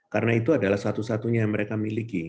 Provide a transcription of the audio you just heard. karena itu adalah satu satunya yang mereka miliki